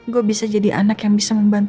gue bisa jadi anak yang bisa membantu